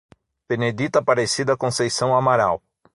Benedita Aparecida Conceição Amaral